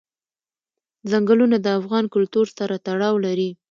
ځنګلونه د افغان کلتور سره تړاو لري.